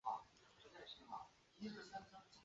标准纸袋是由牛皮纸制成的。